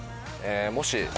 もし。